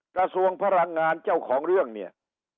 กระทรวงพลังงานเจ้าของเรื่องเนี่ย